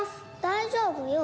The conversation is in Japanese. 「大丈夫よ。